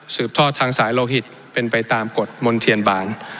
ทอดทางสายโลหิตเป็นไปตามกฎมนเทียนบาน